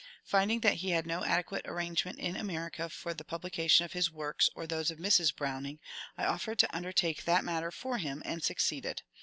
Finding that he had no ade quate arrangement in America for the publication of his works or those of Mrs. Browning, I offered to undertake that matter for him, and succeeded.